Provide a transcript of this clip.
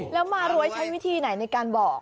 แล้วมารวยใช้วิธีไหนในการบอก